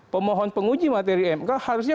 pemohon penguji materi mk harusnya